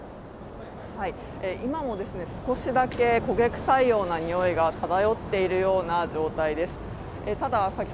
今も少しだけ焦げ臭いような臭いが漂っているような状態です。